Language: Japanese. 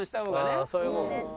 ああそういうもん？